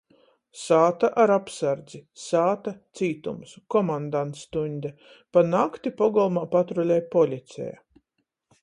Sāta ar apsardzi. Sāta cītums. Komandantstuņde. Pa nakti pogolmā patrulej policeja.